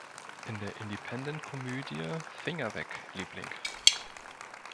In der Independent-Komödie "Finger weg, Liebling!